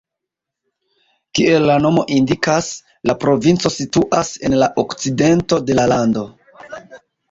Kiel la nomo indikas, la provinco situis en la okcidento de la lando.